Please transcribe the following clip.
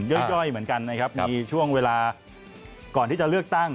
ย่อยเหมือนกันนะครับมีช่วงเวลาก่อนที่จะเลือกตั้ง